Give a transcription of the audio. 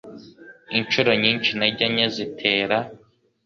Inshuro nyinshi, intege nke zitera